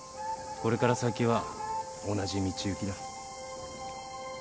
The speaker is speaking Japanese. これから先は同じ道行きだ。